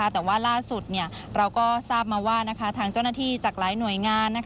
แต่ว่าล่าสุดเราก็ทราบมาว่าทางเจ้าหน้าที่จากหลายหน่วยงาน